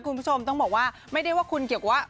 คุณผู้ชมต้องบอกว่าไม่ได้ว่าคุณเกี่ยวกับ